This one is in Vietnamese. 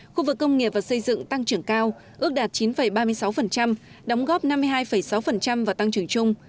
khu vực công nghiệp và xây dựng tăng trưởng cao ước đạt chín ba mươi sáu đóng góp năm mươi hai sáu và tăng trưởng chung